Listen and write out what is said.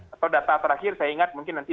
atau data terakhir saya ingat mungkin nanti